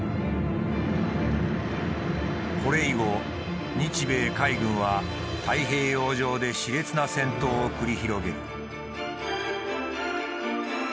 これ以後日米海軍は太平洋上でしれつな戦闘を繰り広げる。